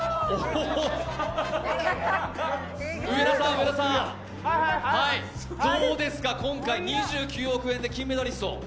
ＫＡＴ−ＴＵＮ上田さん、どうですか、今回、２９億円で金メダリスト。